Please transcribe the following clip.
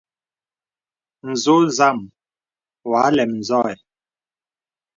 N̄zɔ̄ zam wɔ à lɛm zɔ̄ ɛ.